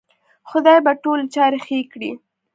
خدای به ټولې چارې ښې کړې